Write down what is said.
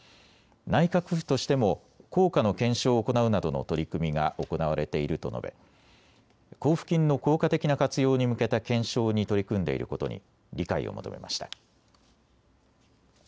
内閣府としても効果の検証を行うなどの取り組みが行われていると述べ交付金の効果的な活用に向けた検証に取り組んでいることに理解を求めました。